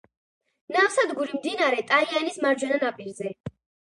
ნავსადგური მდინარე ტაინის მარჯვენა ნაპირზე.